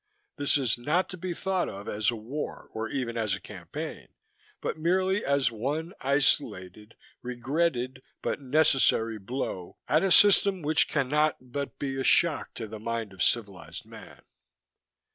This is not to be thought of as a war or even as a campaign, but merely as one isolated, regretted but necessary blow at a system which cannot but be a shock to the mind of civilized man.